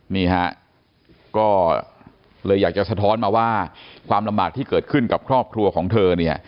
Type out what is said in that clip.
นี่ฮะก็เลยอยากจะสะท้อนมาว่าความลำบากที่เกิดขึ้นกับครอบครัวของเธอเนี่ย